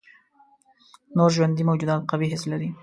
نور ژوندي موجودات قوي حس لري.